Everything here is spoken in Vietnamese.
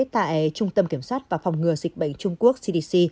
tại trung tâm kiểm soát và phòng ngừa dịch bệnh trung quốc cdc